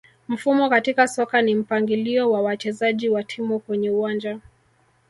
Mfumo katika soka ni mpangilio wa wachezaji wa timu kwenye uwanja